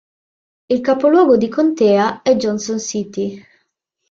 Il capoluogo di contea è Johnson City.